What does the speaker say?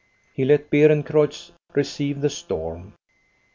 He let Beerencreutz receive the storm.